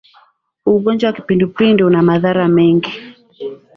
Ugonjwa wa kipindupindu una madhara mengi.